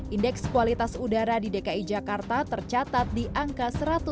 indeks kualitas udara di dki jakarta tercatat di angka satu ratus enam puluh